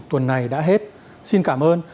tuần này đã hết xin cảm ơn